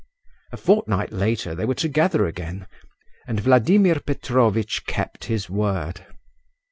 A fortnight later they were together again, and Vladimir Petrovitch kept his word.